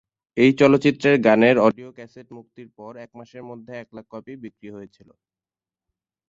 এই চলচ্চিত্রের গানের অডিও ক্যাসেট মুক্তির পর এক মাসের মধ্য এক লাখ কপি বিক্রি হয়েছিল।